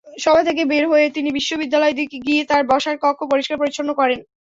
সভা থেকে বের হয়ে তিনি বিশ্ববিদ্যালয়ে গিয়ে তাঁর বসার কক্ষ পরিষ্কার-পরিচ্ছন্ন করেন।